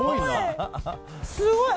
すごい！